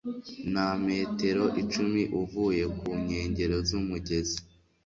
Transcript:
na metero icumi uvuye ku nkengero z'umugezi